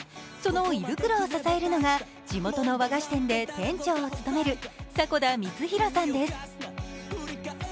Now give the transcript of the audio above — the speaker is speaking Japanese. その胃袋を支えるのが地元の和菓子店で店長を務める迫田さんです。